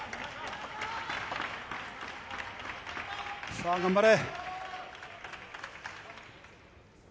さあ、頑張れ。